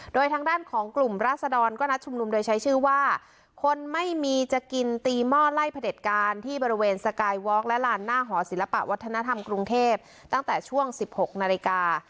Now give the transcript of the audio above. โดยทางด้านของกลุ่มราศดรก็นัดชุมนุมโดยใช้ชื่อว่าคนไม่มีจะกินตีหม้อไล่พระเด็จการที่บริเวณสกายวอล์กและลานหน้าหอศิลปะวัฒนธรรมกรุงเทพตั้งแต่ช่วง๑๖นาฬิกา